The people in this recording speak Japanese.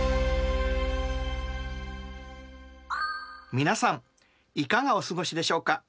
皆さんいかがお過ごしでしょうか？